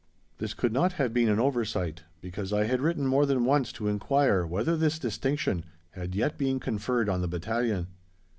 This could not have been an oversight because I had written more than once to enquire whether this distinction had yet been conferred on the battalion.